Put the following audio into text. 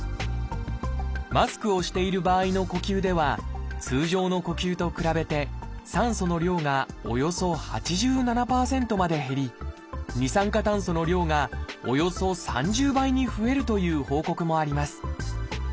マスクをしている場合の呼吸では通常の呼吸と比べて酸素の量がおよそ８７％まで減り二酸化炭素の量がおよそ３０倍に増えるという報告もあります。